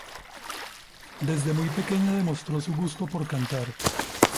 Desde muy pequeña demostró su gusto por cantar.